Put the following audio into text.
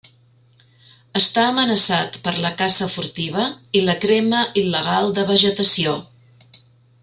Està amenaçat per la caça furtiva i la crema il·legal de vegetació.